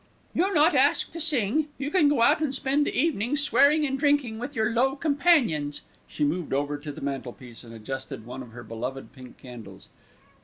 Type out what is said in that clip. "You're not asked to sing. You can go out and spend the evening swearing and drinking with your low companions." She moved over to the mantelpiece, and adjusted one of her beloved pink candles.